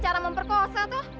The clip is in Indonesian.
kalau dia mau dia bisa membuat